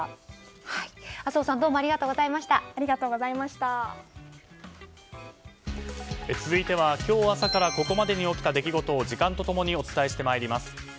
麻生さん続いては今日朝からここまでに起きた出来事を時間と共にお伝えしてまいります。